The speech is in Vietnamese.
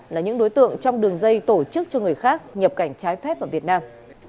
là những đối tượng trong đường dây tổ chức cho người khác nhập cảnh trái phép vào việt nam